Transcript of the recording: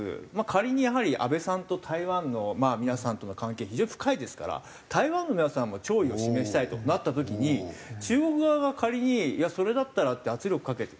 仮にやはり安倍さんと台湾の皆さんとの関係非常に深いですから台湾の皆さんも弔意を示したいとなった時に中国側が仮に「それだったら」って圧力かけて。